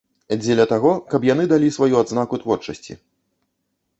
Дзеля таго, каб яны далі сваю адзнаку творчасці.